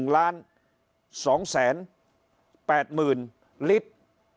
๑ล้าน๒แสน๘หมื่นลิตร